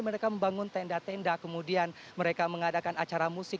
mereka membangun tenda tenda kemudian mereka mengadakan acara musik